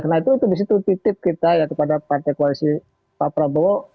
nah itu disitu titip kita ya kepada partai koalisi pak prabowo